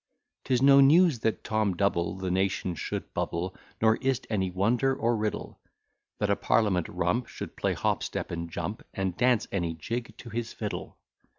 'Tis no news that Tom Double The nation should bubble, Nor is't any wonder or riddle, That a parliament rump Should play hop, step, and jump, And dance any jig to his fiddle.